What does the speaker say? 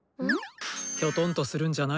キョトンとするんじゃない。